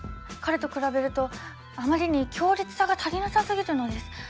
彼と比べるとあまりに強烈さが足りなさすぎるのです。